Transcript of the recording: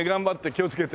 気をつけて。